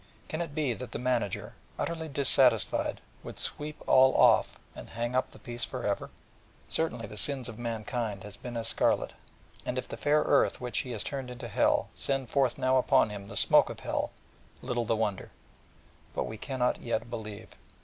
Can it be that the Manager, utterly dissatisfied, would sweep all off, and 'hang up' the piece for ever? Certainly, the sins of mankind have been as scarlet: and if the fair earth which he has turned into Hell, send forth now upon him the smoke of Hell, little the wonder. But we cannot yet believe.